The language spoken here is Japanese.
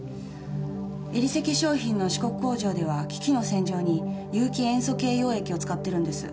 エリセ化粧品の四国工場では機器の洗浄に有機塩素系溶液を使ってるんです。